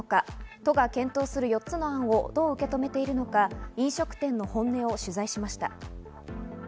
都が検討する４つの案をどう受け止めているのか、飲食店の本音を取材しました。